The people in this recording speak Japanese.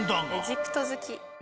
エジプト好き。